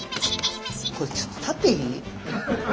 これちょっと立っていい？